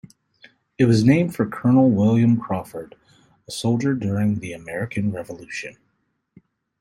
It was named for Colonel William Crawford, a soldier during the American Revolution.